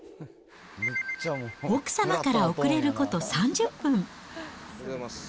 奥様から遅れること３０分。